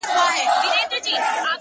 • چي يوه لپه ښكلا يې راته راكړه،